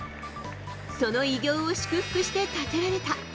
その偉業を祝福して建てられた。